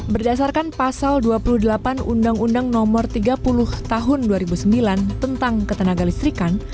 berdasarkan pasal dua puluh delapan undang undang nomor tiga puluh tahun dua ribu sembilan tentang ketenaga listrikan